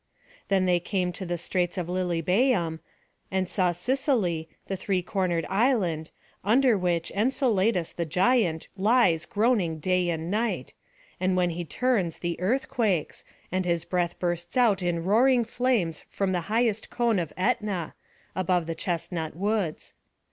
Then they came to the straits by Lilybæum, and saw Sicily, the three cornered island, under which Enceladus the giant lies groaning day and night, and when he turns the earth quakes, and his breath bursts out in roaring flames from the highest cone of Ætna, above the chestnut woods.